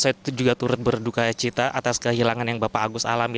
saya juga turut berduka cita atas kehilangan yang bapak agus alami